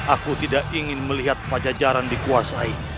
aku tidak ingin melihat pajajaran dikuasai